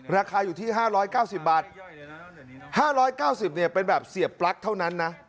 ราคาอยู่ที่ห้าร้อยเก้าสิบบาทห้าร้อยเก้าสิบเนี่ยเป็นแบบเสียบปลั๊กเท่านั้นนะ